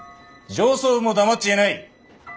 上層部も黙っちゃいない。